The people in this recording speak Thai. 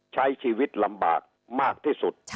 ใช้ชีวิตลำบากมากที่สุด